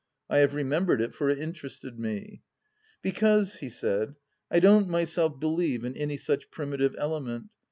I have remem bered it, for it interested me. " Because," he said, " I don't myself believe in any such primitive element.